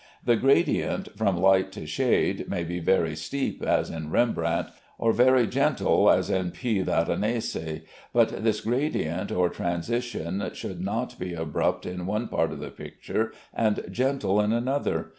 The gradient, from light to shade, may be very steep as in Rembrandt, or very gentle as in P. Veronese, but this gradient or transition should not be abrupt in one part of the picture, and gentle in another.